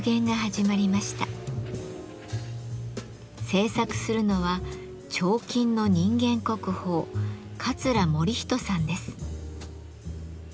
制作するのは彫金の人間国宝桂盛仁さんです。